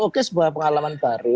oke sebuah pengalaman baru